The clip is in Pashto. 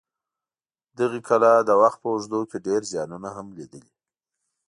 دغې کلا د وخت په اوږدو کې ډېر زیانونه هم لیدلي.